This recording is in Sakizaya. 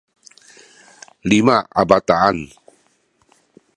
lima a bataan